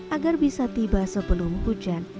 agar bisa tiba sebelum hujan